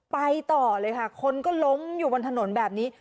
ไปต่อเลยค่ะคนก็ล้มอยู่บนถนนแบบนี้